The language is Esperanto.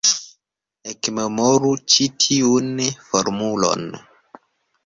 Ekmemoru ĉi tiun formulon.